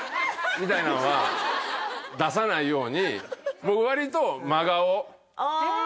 みたいなのは出さないように僕割と真顔ああ